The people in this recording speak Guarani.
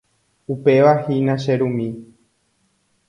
Upevahína che rumi.